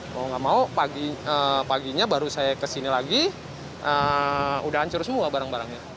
kalau nggak mau paginya baru saya kesini lagi udah hancur semua barang barangnya